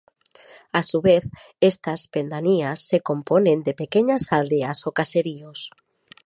A su vez, estas pedanías se componen de pequeñas aldeas o caseríos.